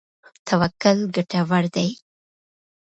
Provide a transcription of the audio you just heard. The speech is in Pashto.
توکل ګټور دی.